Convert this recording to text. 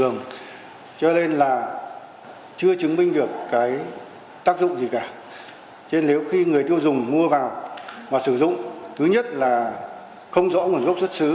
nếu người tiêu dùng mua vào và sử dụng thứ nhất là không rõ nguồn gốc xuất xứ